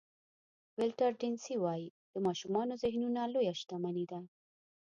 ولټر ډیسني وایي د ماشومانو ذهنونه لویه شتمني ده.